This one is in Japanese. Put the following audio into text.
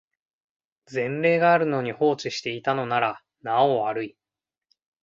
前例があるのに放置していたのならなお悪い